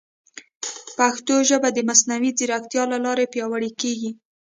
پښتو ژبه د مصنوعي ځیرکتیا له لارې پیاوړې کیږي.